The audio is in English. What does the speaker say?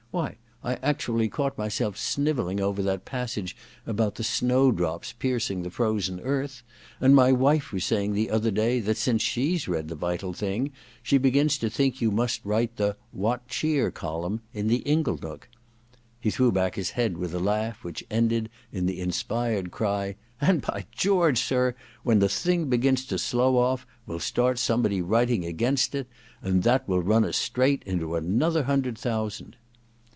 Why, I actually caught myself snivelling over that passage about the snowdrops piercing the frozen earth ; and my wife was saying the other day that, since she's read "The Vital Thing," she begins to think you must write the "What Cheer Column'* in the Inglenook^ He threw back his head with a laugh which ended in the inspired cry :* And, by George, sir, when the thing begins to slow off we'll start somebody writing against it, and that will run us straight up into another hundred thousand.'